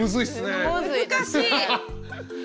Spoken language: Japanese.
難しい。